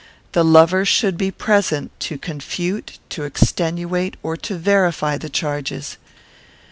The lover should be present, to confute, to extenuate, or to verify the charges.